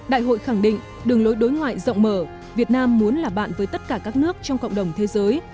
đại hội khẳng định đường lối đối ngoại rộng mở việt nam muốn là bạn với tất cả các nước trong cộng đồng thế giới